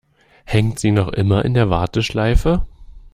Hängt sie noch immer in der Warteschleife?